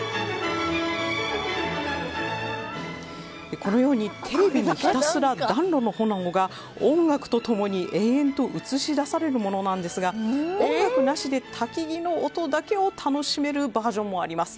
このようにテレビにひたすら暖炉の炎が音楽と共に、延々と映し出されるものなんですが音楽なしでたきぎの音だけを楽しめるバージョンもあります。